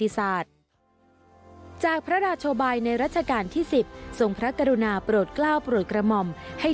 สวัสดีครับ